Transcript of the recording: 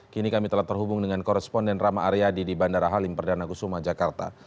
kini kami telah terhubung dengan koresponden rama aryadi di bandara halim perdana kusuma jakarta